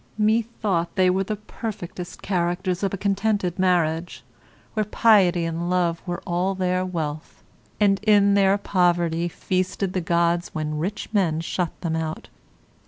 Methought they were the perfectest characters of a contented marriage, where piety and love were all their wealth, and in their poverty feasted the gods when rich men shut them out.